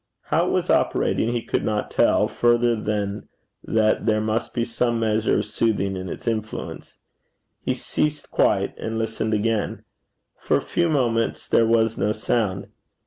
How it was operating he could not tell, further than that there must be some measure of soothing in its influence. He ceased quite, and listened again. For a few moments there was no sound.